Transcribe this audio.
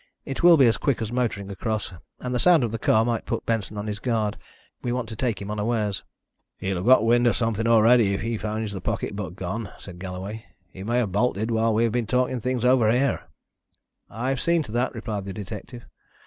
"It will be as quick as motoring across, and the sound of the car might put Benson on his guard. We want to take him unawares." "He'll have got wind of something already if he finds the pocket book gone," said Galloway. "He may have bolted while we have been talking over things here." "I've seen to that," replied the detective.